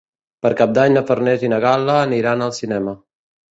Per Cap d'Any na Farners i na Gal·la aniran al cinema.